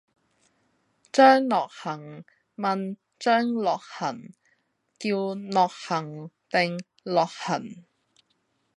張諾恒問張樂痕叫諾恒定樂痕？